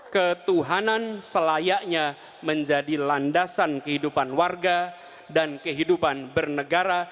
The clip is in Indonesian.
ketuhanan selayaknya menjadi landasan kehidupan warga dan kehidupan bernegara